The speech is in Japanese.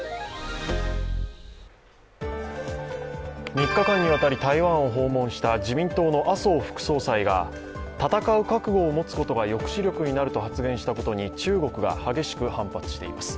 ３日間にわたり台湾を訪問した自民党の麻生副総裁が戦う覚悟を持つことが抑止力になると発言したことに中国が激しく反発しています。